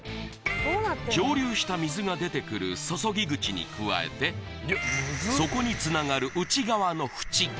蒸留した水が出てくる注ぎ口に加えてそこにつながる内側のフチ